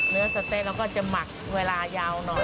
เนื้อสะเต๊ะเราก็จะหมักเวลายาวหน่อย